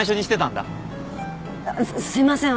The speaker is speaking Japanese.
すすいません